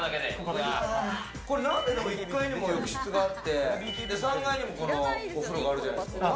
何で１階にも浴室があって３階にもこのお風呂があるじゃないですか？